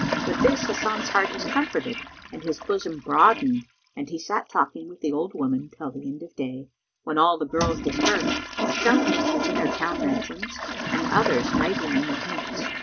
With this, Hasan's heart was comforted and his bosom broadened and he sat talking with the old woman till the end of the day, when all the girls dispersed, some entering their town mansions and others nighting in the tents.